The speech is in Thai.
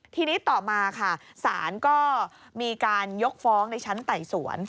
ทีนี้ต่อมาค่ะศาลก็มีการยกฟ้องในชั้นไต่สวน